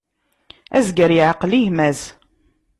Azger yeɛqel gma-s.